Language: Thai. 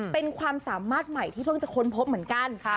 เป็นความสามารถใหม่ที่เพิ่งจะค้นพบเหมือนกัน